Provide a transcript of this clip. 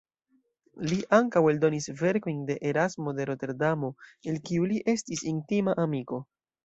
Li ankaŭ eldonis verkojn de Erasmo de Roterdamo, el kiu li estis intima amiko.